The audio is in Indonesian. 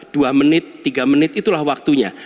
dua menit tiga menit itulah waktunya